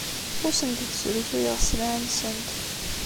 Ur asent-d-srusuyeɣ sselɛa-nsent.